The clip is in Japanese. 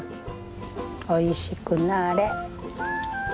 おいしくなれ。